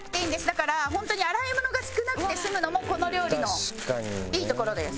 だからホントに洗い物が少なくて済むのもこの料理のいいところです。